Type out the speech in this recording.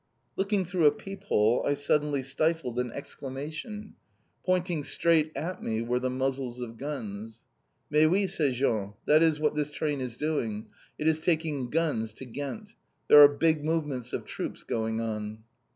Looking through a peep hole, I suddenly stifled an exclamation. Pointing straight at me were the muzzles of guns. "Mais oui," said Jean. "That is what this train is doing. It is taking guns to Ghent. There are big movements of troops going on."